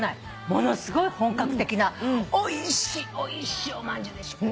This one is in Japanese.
ものすごい本格的なおいしいおいしいおまんじゅうでしょ？